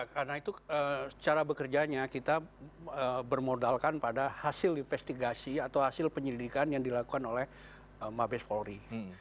karena itu cara bekerjanya kita bermodalkan pada hasil investigasi atau hasil penyelidikan yang dilakukan oleh mabes polri